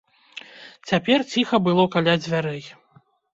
Цяпер ціха было каля дзвярэй.